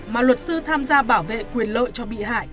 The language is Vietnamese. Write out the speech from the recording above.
mà luật sư tham gia bảo vệ quyền lợi cho bị hại